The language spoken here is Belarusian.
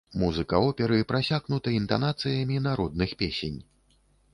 Музыка оперы прасякнута інтанацыямі народных песень.